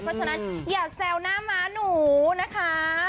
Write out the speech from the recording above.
เพราะฉะนั้นอย่าแซวหน้าม้าหนูนะคะ